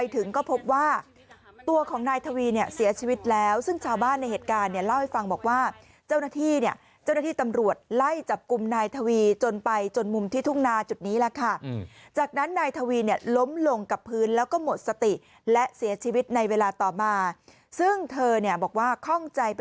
ถึงก็พบว่าตัวของนายทวีเนี่ยเสียชีวิตแล้วซึ่งชาวบ้านในเหตุการณ์เนี่ยเล่าให้ฟังบอกว่าเจ้าหน้าที่เนี่ยเจ้าหน้าที่ตำรวจไล่จับกลุ่มนายทวีจนไปจนมุมที่ทุ่งนาจุดนี้แหละค่ะจากนั้นนายทวีเนี่ยล้มลงกับพื้นแล้วก็หมดสติและเสียชีวิตในเวลาต่อมาซึ่งเธอเนี่ยบอกว่าคล่องใจไป